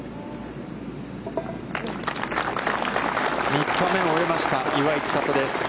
３日目を終えました、岩井千怜です。